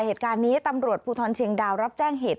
เหตุการณ์นี้ตำรวจภูทรเชียงดาวรับแจ้งเหตุ